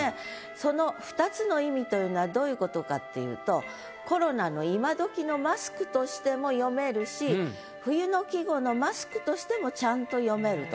その２つの意味というのはどういうことかっていうとコロナの今どきのマスクとしても読めるし冬の季語のマスクとしてもちゃんと読めると。